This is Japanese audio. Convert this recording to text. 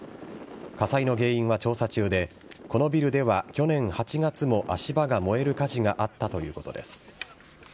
火災の原因は調査中でこのビルでは、去年８月も足場が燃える火事があったということです。